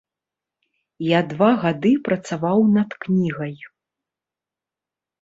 Я два гады працаваў над кнігай.